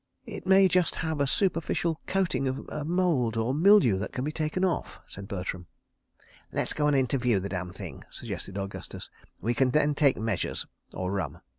"It may just have a superficial coating of mould or mildew that can be taken off," said Bertram. "Let's go an' interview the dam' thing," suggested Augustus. "We can then take measures—or rum."